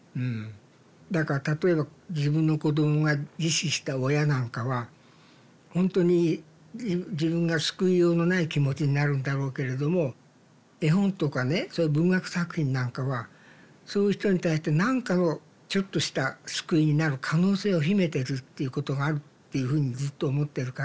だから例えば自分の子供が自死した親なんかはほんとに自分が救いようのない気持ちになるんだろうけれども絵本とかねそういう文学作品なんかはそういう人に対して何かをちょっとした救いになる可能性を秘めてるっていうことがあるっていうふうにずっと思ってるから。